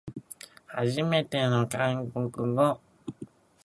はじめての韓国語